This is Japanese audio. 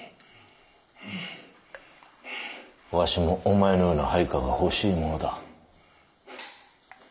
わしもお前のような配下が欲しいものだ。